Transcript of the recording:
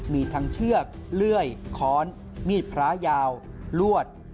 มีทั้งเชือกเลื่อยค้อนมีดพระยาวลวด